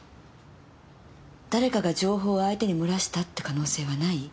誰かが情報を相手に漏らしたって可能性はない？